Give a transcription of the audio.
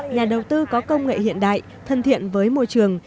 nhà đầu tư có công nghệ hiện đại thân thiện với môi trường